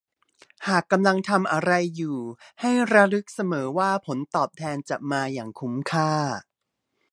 หากกำลังทำอะไรอยู่ให้ระลึกเสมอว่า ผลตอบแทนจะมาอย่างคุ้มค่า